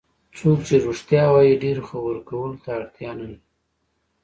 څوک چې رښتیا وایي ډېرو خبرو کولو ته اړتیا نه لري.